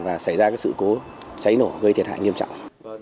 và xảy ra sự cố cháy nổ gây thiệt hại nghiêm trọng